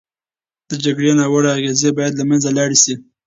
د جګړې ناوړه اغېزې باید له منځه لاړې شي.